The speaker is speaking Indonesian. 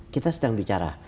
kita sedang bicara